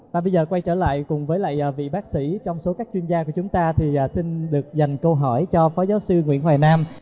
và bây giờ quay trở lại cùng với lại vị bác sĩ trong số các chuyên gia của chúng ta thì xin được dành câu hỏi cho phó giáo sư nguyễn hoài nam